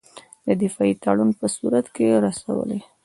د دفاعي تړون په صورت کې رسولای.